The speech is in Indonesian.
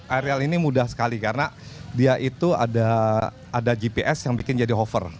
areal ini mudah sekali karena dia itu ada gps yang bikin jadi hover